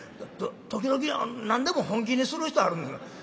時々何でも本気にする人あるんです。